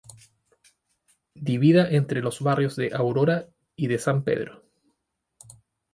Divida entre los barrios de Aurora y de San Pedro.